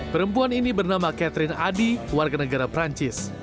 perempuan ini bernama catherine adi warga negara perancis